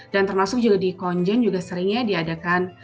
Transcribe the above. dan termasuk juga di konjen juga seringnya diadakan